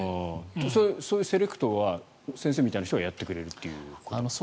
そういうセレクトは先生みたいな人がやってくれるという？